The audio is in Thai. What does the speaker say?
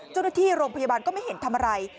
เจ้าหน้าที่โรงพยาบาลก็ไม่เห็นทำอะไร